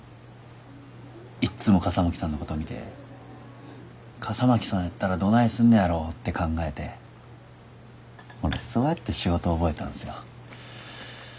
いっつも笠巻さんのこと見て笠巻さんやったらどないすんねやろて考えて俺そうやって仕事覚えたんすよ。